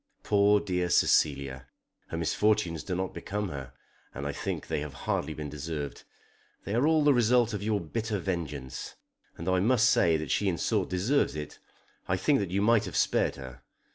Poor dear Cecilia! her misfortunes do not become her, and I think they have hardly been deserved. They are all the result of your bitter vengeance, and though I must say that she in sort deserves it, I think that you might have spared her.